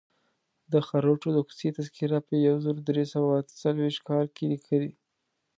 د خروټو د کوڅې تذکره په یو زر درې سوه اته څلویښت کال لیکلې.